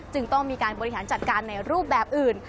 ต้องมีการบริหารจัดการในรูปแบบอื่น